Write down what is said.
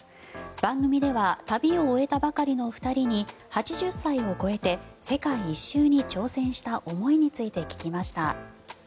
番組では旅を終えたばかりの２人に８０歳を超えて世界一周に挑戦した思いについて聞きました。